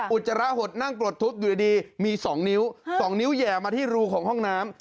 อุจจาระหดนั่งปลดทุกข์อยู่ดีมี๒นิ้ว๒นิ้วแห่มาที่รูของห้องน้ำ